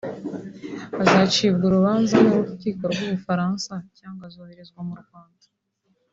azacibwa urubanza n’urukiko rw’u Bufaransa cyangwa azoherezwa mu Rwanda